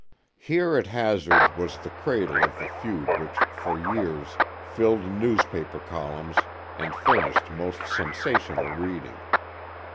Here at Hazard was the cradle of the feud which for years filled newspaper columns and furnished most sensational reading.